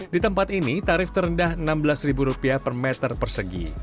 di tempat ini tarif terendah rp enam belas per meter persegi